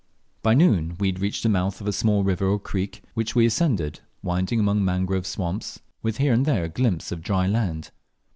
By noon we reached the mouth of a small river or creek, which we ascended, winding among mangrove, swamps, with here and there a glimpse of dry land.